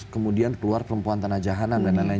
kemudian keluar perempuan tanah jahanam dan lain lain